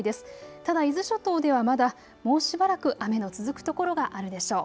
ただ伊豆諸島ではまだもうしばらく雨の続く所があるでしょう。